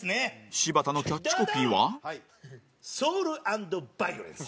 柴田のキャッチコピーは山崎：ソウル＆バイオレンス。